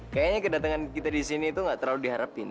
kayanya kedatengan kita disini itu gak terlalu diharapin